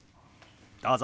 どうぞ。